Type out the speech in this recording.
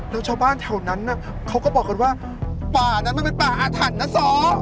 แล้วชาวบ้านแถวนั้นเขาก็บอกกันว่าป่านั้นมันเป็นป่าอาถรรพ์นะซ้อ